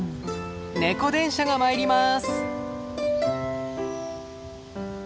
ネコ電車が参ります。